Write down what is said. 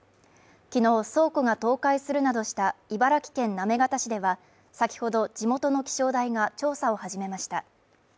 昨日、倉庫が倒壊するなどした茨城県行方市では、先ほど地元の気象台が調査を始めました。